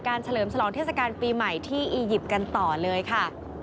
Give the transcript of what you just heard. เฉลิมฉลองเทศกาลปีใหม่ที่อียิปต์กันต่อเลยค่ะ